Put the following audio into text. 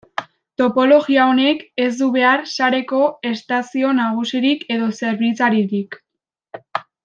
Topologia honek ez du behar sareko estazio nagusirik edo zerbitzaririk.